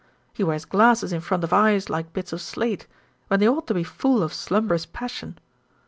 He wears glasses in front of eyes like bits of slate, when they ought to be full of slumbrous passion.